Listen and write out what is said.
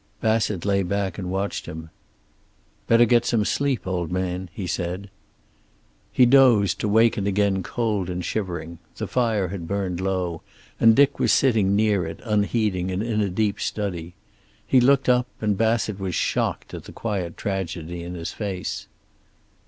Bassett lay back and watched him. "Better get some sleep, old man," he said. He dozed, to waken again cold and shivering. The fire had burned low, and Dick was sitting near it, unheeding, and in a deep study. He looked up, and Bassett was shocked at the quiet tragedy in his face.